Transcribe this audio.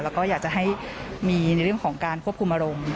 แล้วก็อยากจะให้มีในเรื่องของการควบคุมอารมณ์